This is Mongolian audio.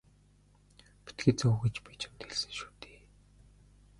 Битгий зов гэж би чамд хэлсэн шүү дээ.